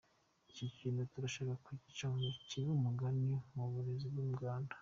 Icyo kintu turashaka kugica ngo kibe umugani mu burezi bw’u Rwanda.